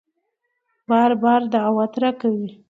بار بار دعوت راکوي